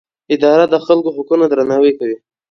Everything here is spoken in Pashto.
اداره د خلکو حقونه درناوی کوي.